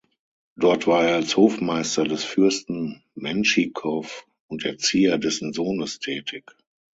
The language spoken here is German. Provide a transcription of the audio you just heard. Dort war er als Hofmeister des Fürsten Menschikow und Erzieher dessen Sohnes tätig.